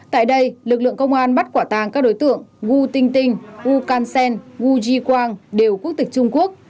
tại đây lực lượng công an bắt quả tàng các đối tượng wu tinh tinh wu can sen wu ji guang đều quốc tịch trung quốc